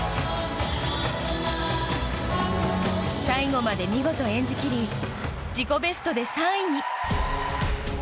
最後まで見事演じきり自己ベストで３位に！